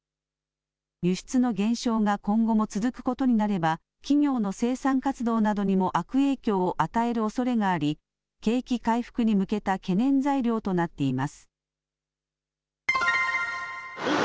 輸出の減少が今後も続くことになれば企業の生産活動などにも悪影響を与えるおそれがあり景気回復に向けた懸念材料となっています。